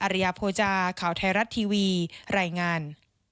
ริยโภจาข่าวไทยรัฐทีวีรายงาน